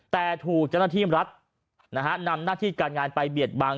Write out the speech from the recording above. แต่ถูกเจ้าหน้าที่รัฐนะฮะนำหน้าที่การงานไปเบียดบัง